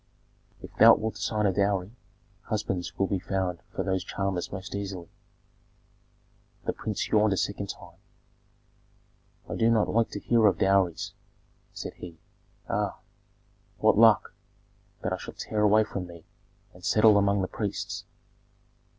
"If thou wilt assign a good dowry, husbands will be found for those charmers most easily." The prince yawned a second time. "I do not like to hear of dowries," said he. "Aaa! What luck, that I shall tear away from thee and settle among the priests!"